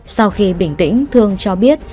sau khi bình tĩnh thương cho biết